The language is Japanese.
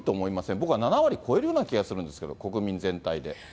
僕は７割超えるような気がするんですけど、国民全体で。